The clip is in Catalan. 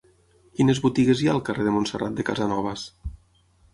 Quines botigues hi ha al carrer de Montserrat de Casanovas?